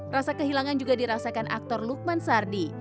rasa kehilangan juga dirasakan aktor lukman sardi